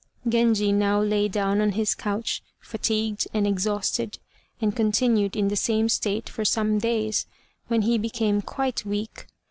Genji now lay down on his couch, fatigued and exhausted, and continued in the same state for some days, when he became quite weak.